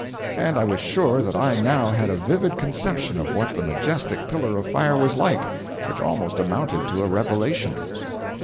And I was sure that I now had a vivid conception of what the majestic "pillar of fire" was like, which almost amounted to a revelation.